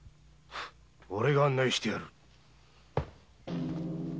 オレが案内してやる。